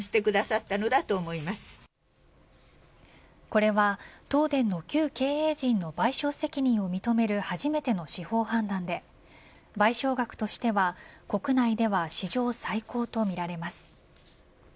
これは、東電の旧経営陣の賠償責任を認める初めての司法判断で賠償額としては国内では史上最高とみられます。